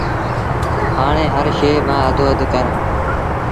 هآڻي هر شئي مآݩ اڌو اد ڪر